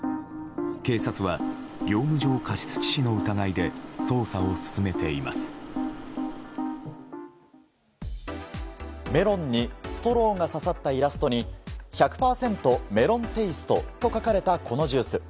警察は業務上過失致死の疑いでメロンにストローが刺さったイラストに「１００％メロンテイスト」と書かれた、このジュース。